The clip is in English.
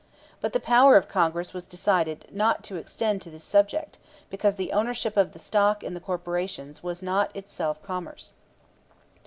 But the power of Congress was decided not to extend to the subject, because the ownership of the stock in the corporations was not itself commerce."